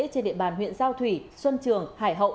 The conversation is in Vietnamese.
trên địa bàn huyện giao thủy xuân trường hải hậu